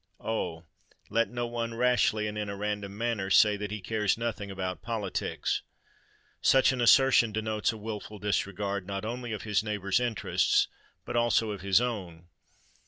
Oh! let no one rashly and in a random manner say that he cares nothing about politics! Such an assertion denotes a wilful disregard not only of his neighbour's interests, but also of his own.